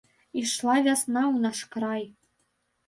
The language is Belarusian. Ішла вясна ў наш край.